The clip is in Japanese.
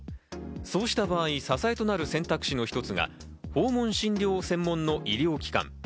そうした場合、支えとなる選択肢の一つが訪問診療専門の医療機関。